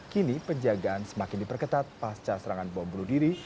kini penjagaan semakin diperketat pasca serangan bom berdiri